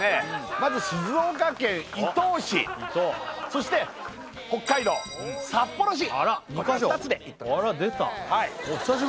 まず静岡県伊東市そして北海道札幌市２つで行っております